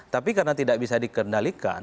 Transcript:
tapi karena tidak bisa dikendalikan